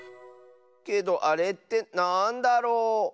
けどあれってなんだろう。